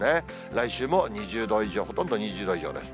来週も２０度以上、ほとんど２０度以上です。